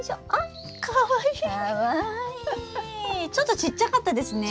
ちょっとちっちゃかったですね。